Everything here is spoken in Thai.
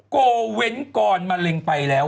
โกเว้นกรมะเร็งไปแล้ว